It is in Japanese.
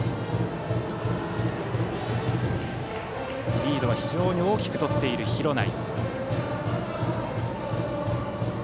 リードを非常に大きくとっている廣内。